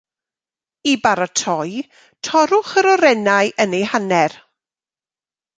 I baratoi, torrwch yr orenau yn eu hanner